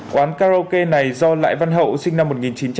quán karaoke này do lại văn hậu sinh năm một nghìn chín trăm tám mươi